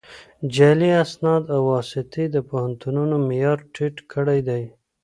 جعلي اسناد او واسطې د پوهنتونونو معیار ټیټ کړی دی